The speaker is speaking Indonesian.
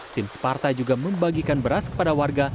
tim separtai juga membagikan beras kepada warga